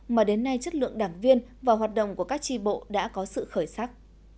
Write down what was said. mà đến nay chất lượng đảng viên và hoạt động của các tri bộ đã có sự khởi sắc